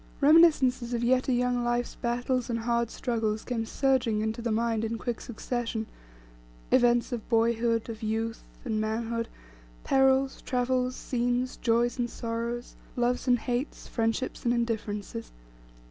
Reminiscences of yet a young life's battles and hard struggles came surging into the mind in quick succession: events of boyhood, of youth, and manhood; perils, travels, scenes, joys, and sorrows; loves and hates; friendships and indifferences.